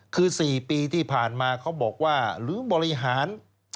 คือ๔ปีที่ผ่านมาเขาบอกว่าหรือบริหาร